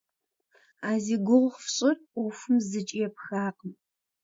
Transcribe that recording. А зи гугъу фщӏыр ӏуэхум зыкӏи епхакъым.